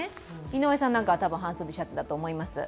井上さんなんかは、たぶん半袖シャツだと思います。